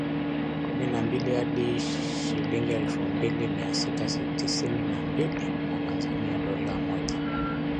kumi na mbili hadi shilingi elfu mbili mia sita tisini na mbili za Tanzania dola moja